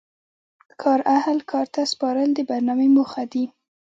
کار اهل کار ته سپارل د برنامې موخه دي.